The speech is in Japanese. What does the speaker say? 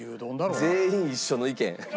全員一緒の意見。